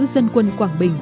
dân quân quảng bình